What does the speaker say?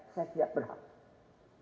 saya siap berhenti